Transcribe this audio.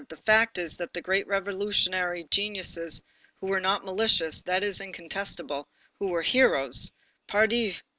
The fact is that the great revolutionary geniuses, who were not malicious, that is incontestable, who were heroes, pardi!